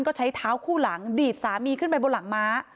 ก็ใช้เท้าคู่หลังดีดสามีขึ้นไปบนหลังม้า